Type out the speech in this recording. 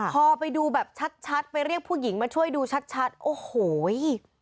พอไปดูแบบชัดไปเรียกผู้หญิงมาช่วยดูชัดโอ้โห